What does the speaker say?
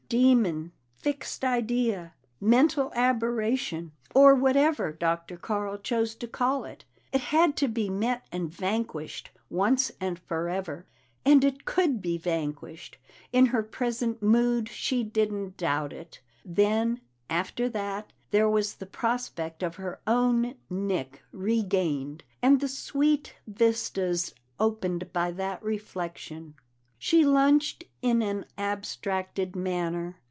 Demon, fixed idea, mental aberration, or whatever Dr. Carl chose to call it, it had to be met and vanquished once and forever. And it could be vanquished; in her present mood she didn't doubt it. Then after that there was the prospect of her own Nick regained, and the sweet vistas opened by that reflection. She lunched in an abstracted manner.